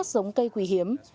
giống cây quỳ hiếm